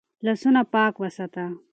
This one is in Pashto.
لاسونه پاک وساته.